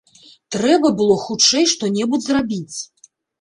Трэба было хутчэй што-небудзь зрабіць.